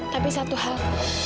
tapi satu hal